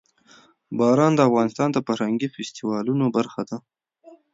باران د افغانستان د فرهنګي فستیوالونو برخه ده.